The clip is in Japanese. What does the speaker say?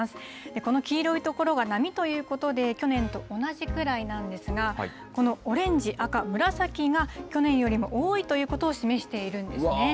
この黄色い所は並ということで、去年と同じくらいなんですが、このオレンジ、赤、紫が去年よりも多いということを示しているんですね。